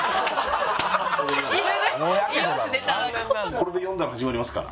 これで呼んだら始まりますから。